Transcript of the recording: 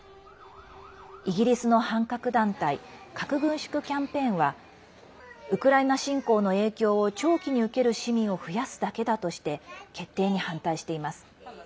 イギリスの反核団体核軍縮キャンペーンはウクライナ侵攻の影響を長期に受ける市民を増やすだけだとして決定に反対しています。